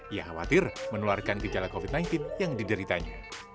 ia khawatir menularkan gejala covid sembilan belas yang dideritanya